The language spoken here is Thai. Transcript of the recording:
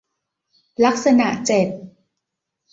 ลักษณะเจ็ด